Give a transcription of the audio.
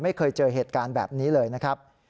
ไม่เคยเจอเหตุการณ์แบบนี้เลยนะครับ